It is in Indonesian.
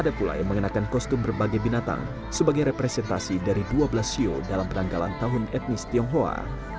ada pula yang mengenakan kostum berbagai binatang sebagai representasi dari dua belas sio dalam penanggalan tahun etnis tionghoa